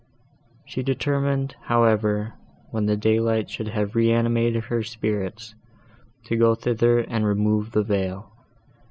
She determined, however, when daylight should have reanimated her spirits, to go thither and remove the veil.